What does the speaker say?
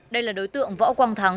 đây là đối tượng võ quang thắng